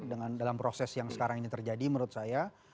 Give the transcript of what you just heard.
dalam proses yang sekarang ini terjadi menurut saya